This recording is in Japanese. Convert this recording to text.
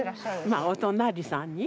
まあお隣さんに。